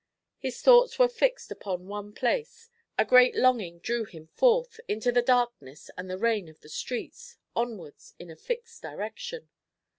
His thoughts were fixed upon one place; a great longing drew him forth, into the darkness and the rain of the streets, onwards in a fixed direction.